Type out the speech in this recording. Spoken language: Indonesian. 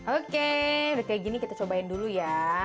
oke udah kayak gini kita cobain dulu ya